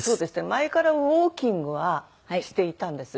前からウォーキングはしていたんです。